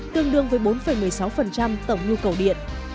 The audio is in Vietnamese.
với bốn một mươi sáu tổng nhu cầu điện